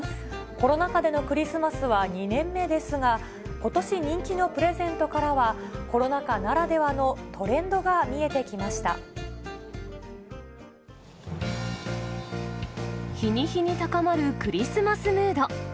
コロナ禍でのクリスマスは２年目ですが、ことし人気のプレゼントからは、コロナ禍ならではのトレンドが見日に日に高まるクリスマスムード。